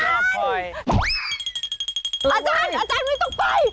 อาจารย์อาจารย์ไม่ต้องไป